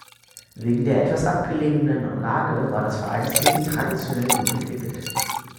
Wegen der etwas abgelegenen Lage war das Vereinsleben traditionell gut entwickelt.